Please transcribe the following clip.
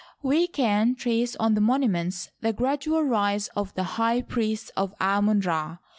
We can trace on the monuments the gradual rise of the high priests of Amon Ra.